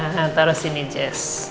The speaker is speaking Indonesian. nah taruh sini jess